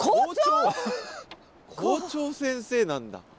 校長先生なんだ。